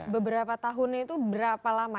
beberapa tahunnya itu berapa lama